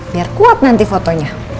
biar kuat nanti fotonya